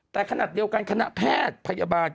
แต่ขณะเดียวกันคณะแพทย์พยาบาล